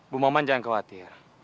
bu maman jangan khawatir